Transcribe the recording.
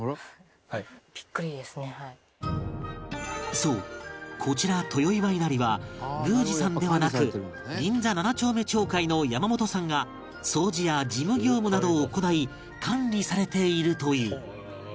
そうこちら豊岩稲荷は宮司さんではなく銀座７丁目町会の山本さんが掃除や事務業務などを行い管理されているという